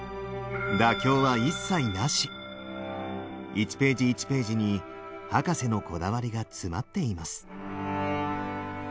１ページ１ページに博士のこだわりが詰まっています。